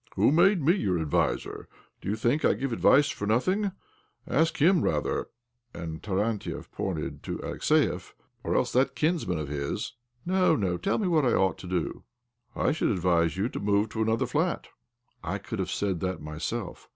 "Who made me your adviser? Do you think I give advice for nothing? Ask him, rather "— and Tarantiev pointed to Alexiev —" or else that kinsman of his." " No, no. Tell me what I ought to do." " I should advise you to move to another flat." " I could have said that myself."